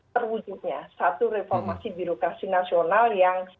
terwujudnya satu reformasi birokrasi nasional yang